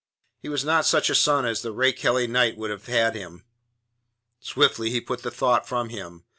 He was not such a son as the rakehelly knight would have had him. Swiftly he put the thought from him.